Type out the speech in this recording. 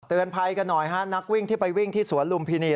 เตือนภัยกันหน่อยนักวิ่งที่ไปวิ่งที่สวรรค์ลุมพินี